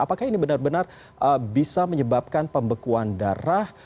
apakah ini benar benar bisa menyebabkan pembekuan darah